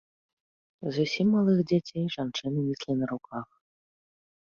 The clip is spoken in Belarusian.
Зусім малых дзяцей жанчыны неслі на руках.